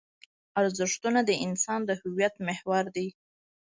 ارزښتونه د انسان د هویت محور دي.